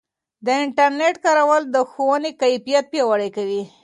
د انټرنیټ کارول د ښوونې کیفیت پیاوړی کوي.